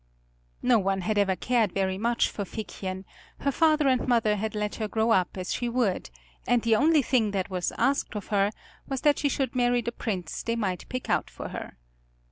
No one had ever cared very much for Figchen, her father and mother had let her grow up as she would, and the only thing that was asked of her was that she should marry the prince they might pick out for her.